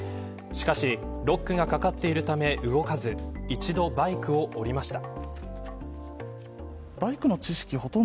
しかしロックが掛かっているため動かず一度バイクを降りました。